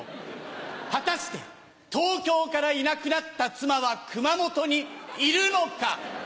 果たして東京からいなくなった妻は熊本にいるのか？